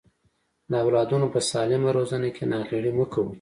د اولادونو په سالمه روزنه کې ناغيړي مکوئ.